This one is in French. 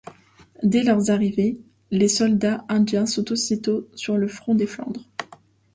Dès leur arrivée, les soldats indiens sont aussitôt envoyés sur le front des Flandres.